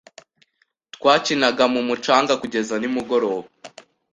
twakinaga mumucanga kugeza nimugoroba.